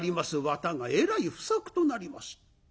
綿がえらい不作となりました。